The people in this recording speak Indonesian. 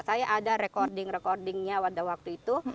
saya ada recording recordingnya pada waktu itu